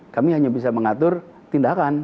kami hanya bisa mengatur tindakan